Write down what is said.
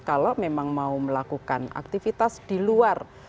kalau memang mau melakukan aktivitas di luar